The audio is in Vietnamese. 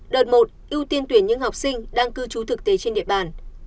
đợt một ưu tiên tuyển những học sinh đang cư trú thực tế trên địa bàn